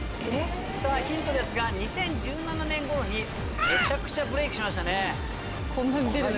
さぁヒントですが２０１７年頃にめちゃくちゃブレークしましたね。